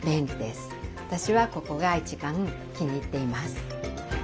私はここが一番気に入っています。